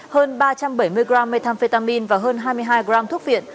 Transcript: hơn ba trăm bảy mươi g methamphetamine và hơn hai mươi hai g thuốc viện